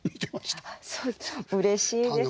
うれしいです。